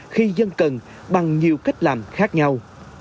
khi dân cần bằng nhiều cách làm khác nhau